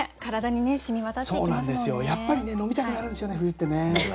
やっぱりね飲みたくなるんですよね冬ってね。